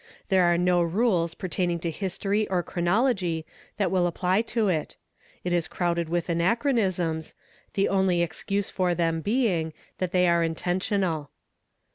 There are no ru es ,,ert«,ni„g t„ history or cinonology that will «P 'ly to ,t; ,t ,s crowded with anachronisms, the only «cuse for then, being that they are inten dat!